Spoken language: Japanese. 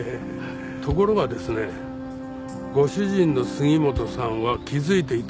ところがですねご主人の杉本さんは気づいていたんです。